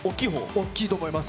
大きいと思います。